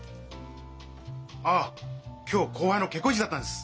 ああ今日後輩の結婚式だったんです。